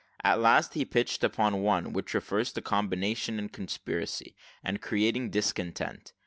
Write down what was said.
At last he pitched upon the one which refers to combination and conspiracy, and creating discontent.